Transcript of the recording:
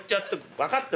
分かった